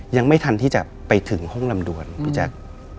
ยังไม่ทันที่จะไปถึงห้องลำดวนพี่แจ๊ค